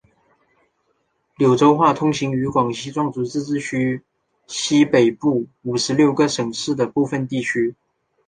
桂柳话通行于广西壮族自治区西北部五十六个县市的部分地区。